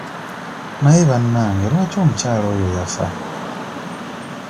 Naye bannange lwaki omukyala oyo yafa?